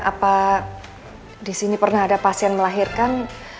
apa disini pernah ada pasien melahirkan